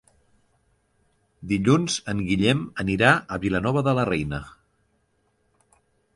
Dilluns en Guillem anirà a Vilanova de la Reina.